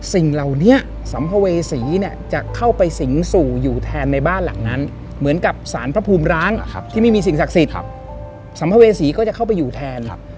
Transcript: สิ่งเหล่านี้สัมภเวษีเนี่ยจะเข้าไปสิงสู่อยู่แทนในบ้านหลังนั้นเหมือนกับสารพระภูมิร้างที่ไม่มีสิ่งศักดิ์สิทธิ์สัมภเวษีก็จะเข้าไปอยู่แทน